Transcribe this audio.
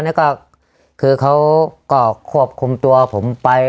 ใครเขาก็ควบคุมตัวผมไป